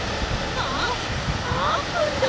あっあーぷんです！